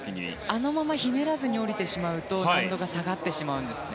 あのままひねらずに下りてしまうと難度が下がってしまうんですね。